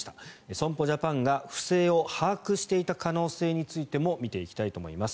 損保ジャパンが不正を把握していた可能性についても見ていきたいと思います。